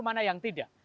mana yang tidak